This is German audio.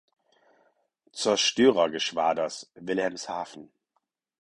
Zerstörergeschwaders (Wilhelmshaven).